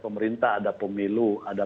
pemerintah ada pemilu ada